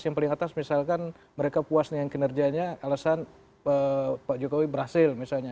yang paling atas misalkan mereka puas dengan kinerjanya alasan pak jokowi berhasil misalnya